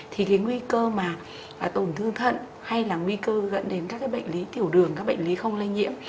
thì cái nguy cơ mà tổn thương thận hay là nguy cơ dẫn đến các cái bệnh lý tiểu đường các bệnh lý không lây nhiễm